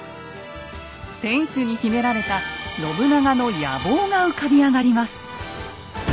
天主に秘められた信長の野望が浮かび上がります。